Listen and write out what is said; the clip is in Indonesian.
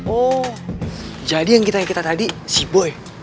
oh jadi yang kita kita tadi si boy